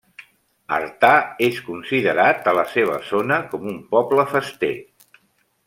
Artà és considerat a la seva zona com un poble fester.